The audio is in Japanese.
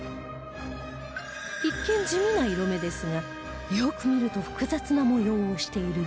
一見地味な色目ですがよく見ると複雑な模様をしている Ｂ